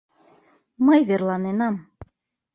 Мый верланенам.